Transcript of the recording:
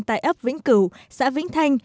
tại ấp vĩnh cửu xã vĩnh thanh